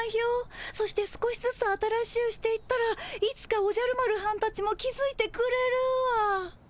そして少しずつ新しゅうしていったらいつかおじゃる丸はんたちも気づいてくれるわ。